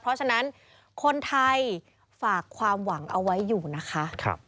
เพราะฉะนั้นคนไทยฝากความหวังเอาไว้อยู่นะคะ